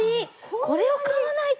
これを買わないと。